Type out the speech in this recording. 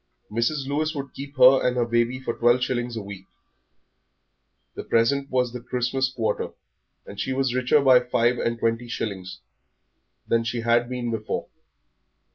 Mrs. Lewis would keep her and her baby for twelve shillings a week; the present was the Christmas quarter, and she was richer by five and twenty shillings than she had been before.